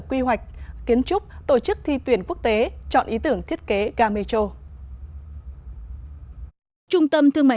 quy hoạch kiến trúc tổ chức thi tuyển quốc tế chọn ý tưởng thiết kế ga metro trung tâm thương mại